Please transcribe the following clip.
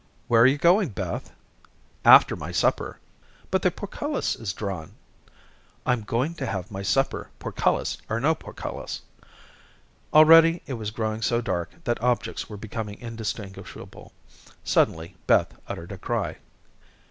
"Where are you going, Beth?" "After my supper." "But the portcullis is drawn." "I'm going to have my supper, portcullis or no portcullis." Already it was growing so dark that objects were becoming indistinguishable. Suddenly Beth uttered a cry.